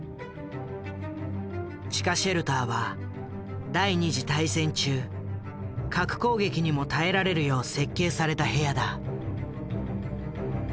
地下シェルターは第２次大戦中核攻撃にも耐えられるよう設計された部屋だ。